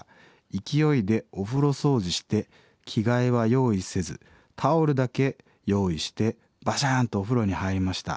勢いでお風呂掃除して着替えは用意せずタオルだけ用意してバシャンとお風呂に入りました。